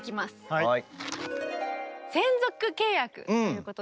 はい。